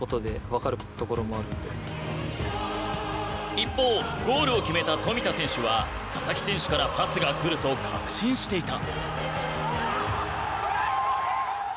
一方ゴールを決めた富田選手は佐々木選手からパスが来ると確信していた。